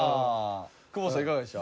久保田さんいかがでした？